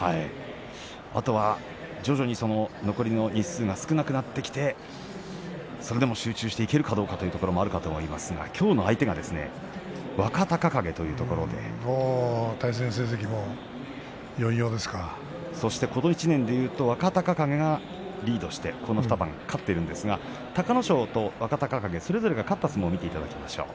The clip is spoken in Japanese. あとは徐々に残りの日数が少なくなってきてそれでも集中していけるかどうかというところもあるかと思いますがきょうの相手が対戦成績もこの１年でいうと若隆景がリードしてここ２番勝っているんですがそれぞれが勝った相撲を見ていきましょう。